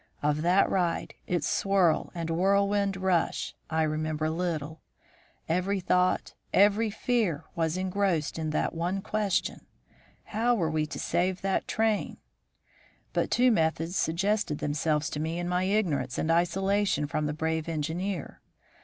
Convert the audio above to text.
Of that ride, its swirl and whirlwind rush, I remember little; every thought, every fear, was engrossed in the one question, How were we to save that train? But two methods suggested themselves to me in my ignorance and isolation from the brave engineer.